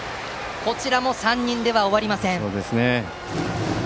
こちらも３人では終わりません。